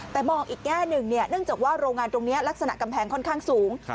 แต่มองอีกแง่หนึ่งเนื่องจากว่าโรงงานตรงนี้ลักษณะกำแพงค่อนข้างสูง